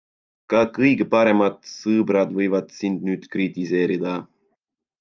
Ka kõige paremad sõbrad võivad sind nüüd kritiseerida.